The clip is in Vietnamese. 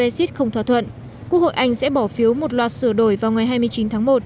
brexit không thỏa thuận quốc hội anh sẽ bỏ phiếu một loạt sửa đổi vào ngày hai mươi chín tháng một